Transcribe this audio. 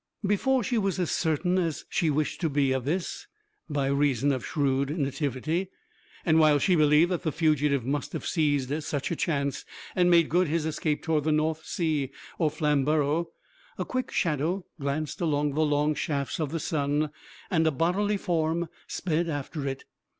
Before she was as certain as she wished to be of this (by reason of shrewd nativity), and while she believed that the fugitive must have seized such a chance and made good his escape toward North Sea or Flamborough, a quick shadow glanced across the long shafts of the sun, and a bodily form sped after it.